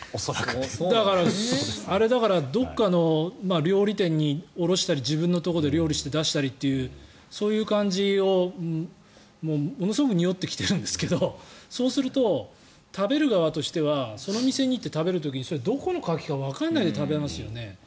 だからあれはどこかの料理店に卸したり自分のところで料理して出したりっていうそういう感じが、ものすごくにおってきてるんですけどそうすると食べる側としてはその店に行って食べる時にそれ、どこのカキかわからないで食べますよね。